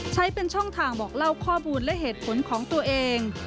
ใช้เป็นช่องทางบอกเล่าข้อมูลและเหตุผลของตัวเอง